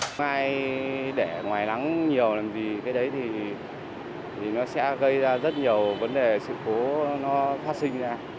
không ai để ngoài nắng nhiều làm gì cái đấy thì nó sẽ gây ra rất nhiều vấn đề sự cố nó phát sinh ra